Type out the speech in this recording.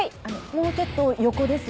もうちょっと横です。